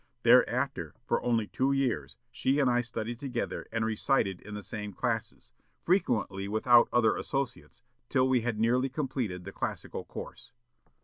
Thereafter, for nearly two years, she and I studied together, and recited in the same classes (frequently without other associates) till we had nearly completed the classical course....